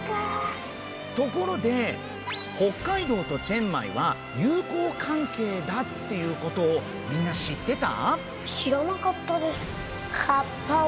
ところで北海道とチェンマイは友好関係だっていうことをみんな知ってた？